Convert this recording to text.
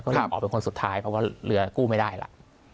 รีบออกเป็นคนสุดท้ายเพราะว่าเรือกู้ไม่ได้ล่ะ